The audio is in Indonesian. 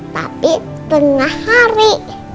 tapi tengah hari